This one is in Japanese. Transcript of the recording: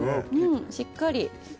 しっかり。